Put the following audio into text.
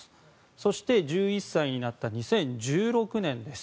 そして、１１歳になった２０１６年です。